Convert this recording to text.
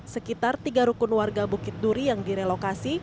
sekitar tiga rukun warga bukit duri yang direlokasi